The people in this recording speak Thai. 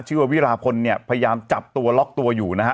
วิราพลเนี่ยพยายามจับตัวล็อกตัวอยู่นะฮะ